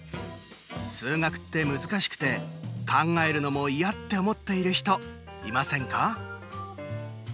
数学って難しくて考えるのもいやって思っている人いませんか。